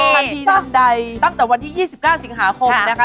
ทันทีทันใดตั้งแต่วันที่๒๙สิงหาคมนะคะ